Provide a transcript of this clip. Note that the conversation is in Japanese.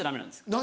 何？